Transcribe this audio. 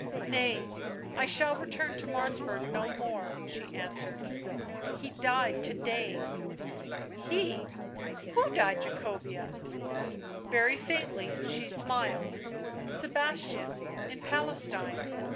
..." Kay, I shall return to Martzburg no more," she answered. " He died to day." "He? — who died, Jacobea?" Very faintly she smiled. " Sebastian — in Palestine.